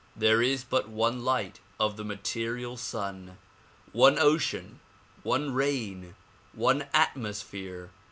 There is but one light of the material sun, one ocean, one rain, one atmosphere.